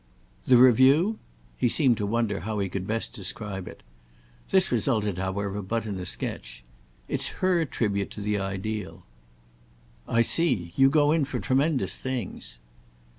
"The Review?" He seemed to wonder how he could best describe it. This resulted however but in a sketch. "It's her tribute to the ideal." "I see. You go in for tremendous things."